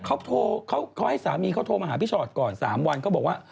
เขาให้สามีเขาโทรมาหาพี่ชอตก่อน๓วันเขาบอกว่า